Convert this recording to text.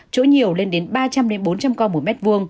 chỗ nhiều lên đến ba trăm linh bốn trăm linh con một m hai